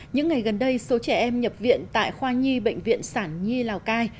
những ngày gần đây số trẻ em nhập viện tại khoa nhi bệnh viện sản nhi lào cai